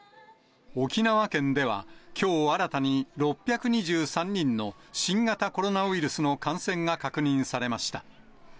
沖縄県ではきょう新たに６２３人の新型コロナウイルスの感染が確認されました。